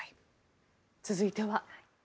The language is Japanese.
続いては。